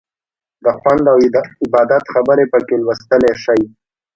د خوند او عبادت خبرې پکې لوستلی شئ.